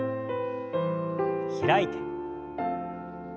開いて。